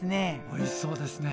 おいしそうですね。